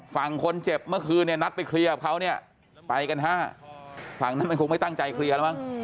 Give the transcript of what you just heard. ฝั่งคนเจ็บเมื่อคืนเนี่ยนัดไปเคลียร์กับเขาเนี่ยไปกัน๕ฝั่งนั้นมันคงไม่ตั้งใจเคลียร์แล้วมั้ง